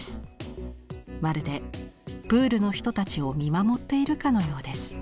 まるでプールの人たちを見守っているかのようです。